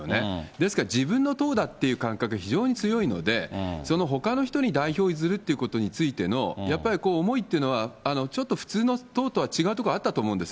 ですから、自分の党だっていう感覚が非常に強いので、そのほかの人に代表を譲るということについてのやっぱり、思いというのはちょっと普通の党とは違うところがあったと思うんです。